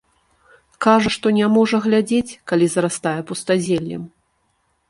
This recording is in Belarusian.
Кажа, што не можа глядзець, калі зарастае пустазеллем.